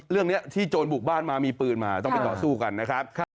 เรื่องนี้ที่โจรบุกบ้านมามีปืนมาต้องไปต่อสู้กันนะครับ